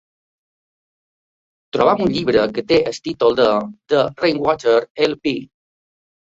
Troba'm un llibre que té el títol de The Rainwater LP